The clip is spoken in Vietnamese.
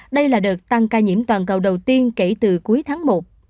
đây là đợt tăng ca nhiễm toàn cầu đầu tiên kể từ cuối tháng một